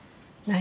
「何？」